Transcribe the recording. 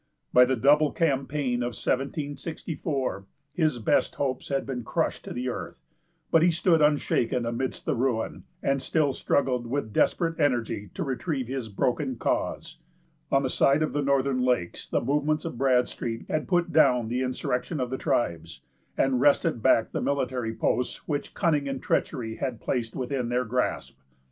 By the double campaign of 1764, his best hopes had been crushed to the earth; but he stood unshaken amidst the ruin, and still struggled with desperate energy to retrieve his broken cause. On the side of the northern lakes, the movements of Bradstreet had put down the insurrection of the tribes, and wrested back the military posts which cunning and treachery had placed within their grasp.